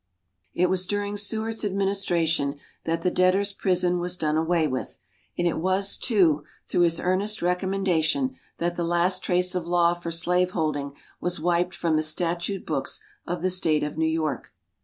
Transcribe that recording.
It was during Seward's administration that the "debtors' prison" was done away with, and it was, too, through his earnest recommendation that the last trace of law for slaveholding was wiped from the statute books of the State of New York.